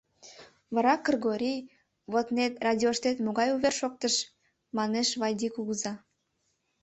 — Вара, Кыргорий, воднет радиоштет могай увер шоктыш? — манеш Вайди кугыза.